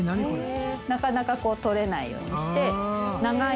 なかなかこう取れないようにして。